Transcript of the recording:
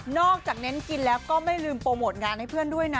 จากเน้นกินแล้วก็ไม่ลืมโปรโมทงานให้เพื่อนด้วยนะ